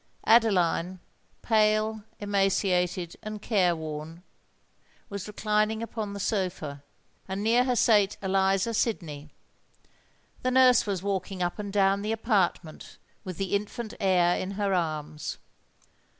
Adeline, pale, emaciated, and care worn, was reclining upon the sofa; and near her sate Eliza Sydney. The nurse was walking up and down the apartment, with the infant heir in her arms.